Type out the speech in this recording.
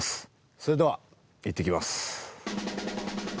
それでは行ってきます。